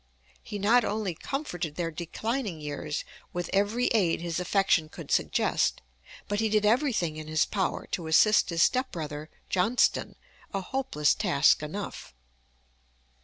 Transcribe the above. He not only comforted their declining years with every aid his affection could suggest, but he did everything in his power to assist his stepbrother Johnston a hopeless task enough.